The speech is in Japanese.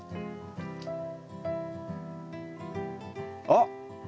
あっ！